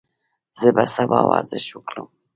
زه به سبا ورزش وکړم.